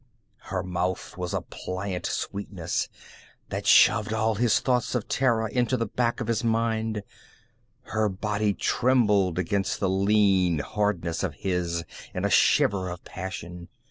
Her mouth was a pliant sweetness that shoved all his thoughts of Terra into the back of his mind; her body trembled against the lean hardness of his in a shiver of passion.